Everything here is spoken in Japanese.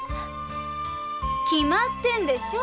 決まってんでしょ。